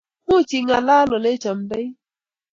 Much ingalal olechomdoi